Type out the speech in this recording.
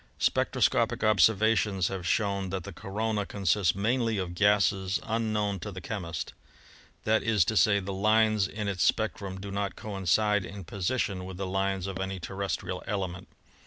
"Spectroscopic observations have shown that the corona consists mainly of gases unknown to the chemist. That is to say, the lines in its spectrum do not coincide in position with the lines of any terrestrial element.